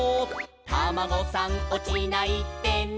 「タマゴさんおちないでね」